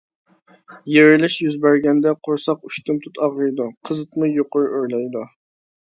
يېرىلىش يۈز بەرگەندە قورساق ئۇشتۇمتۇت ئاغرىيدۇ، قىزىتما يۇقىرى ئۆرلەيدۇ.